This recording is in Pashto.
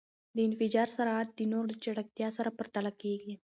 د انفجار سرعت د نور د چټکتیا سره پرتله کېږی.